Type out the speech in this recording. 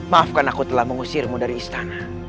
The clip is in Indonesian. maafkan aku telah mengusirmu dari istana